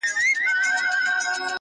په نړۍ کي داسي ستونزي پیدا کېږي٫